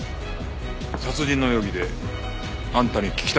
殺人の容疑であんたに聞きたい事がある。